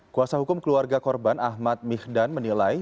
kuasa hukum keluarga korban ahmad mihdan menilai